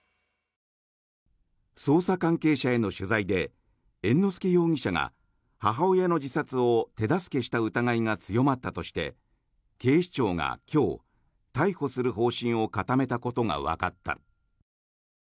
捜査関係者への取材で猿之助容疑者が母親の自殺を手助けした疑いが強まったとして警視庁が今日逮捕する方針を固めたことがわかった。